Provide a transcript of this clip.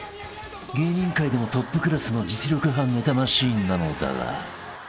［芸人界でもトップクラスの実力派ネタマシンなのだが］